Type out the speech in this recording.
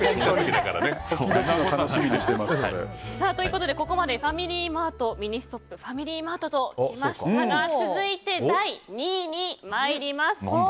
ということで、ここまでファミリーマート、ミニストップファミリーマートと来ましたが続いて第２位に参ります。